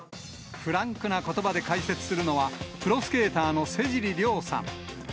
フランクなことばで解説するのは、プロスケーターの瀬尻稜さん。